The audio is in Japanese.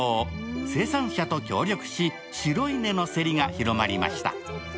生産者と協力し、白い根のせりが広まりました。